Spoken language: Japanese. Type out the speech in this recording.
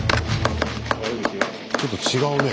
ちょっと違うね